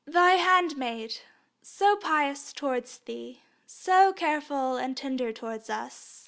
"Thy handmaid, so pious towards Thee, so careful and tender towards us.